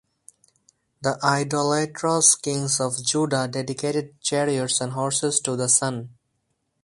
The idolatrous kings of Judah dedicated chariots and horses to the sun.